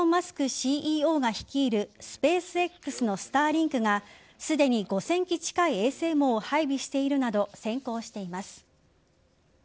ＣＥＯが率いるスペースＸのスターリンクがすでに５０００基近い衛星網を配備しているなど先行しています。